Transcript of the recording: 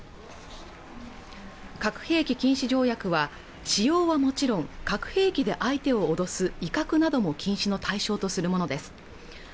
核兵器禁止条約は使用はもちろん核兵器で相手を脅す威嚇なども禁止の対象とするものです